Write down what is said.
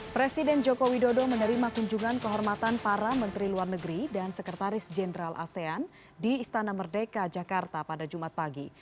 presiden joko widodo menerima kunjungan kehormatan para menteri luar negeri dan sekretaris jenderal asean di istana merdeka jakarta pada jumat pagi